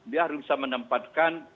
dia harus bisa menempatkan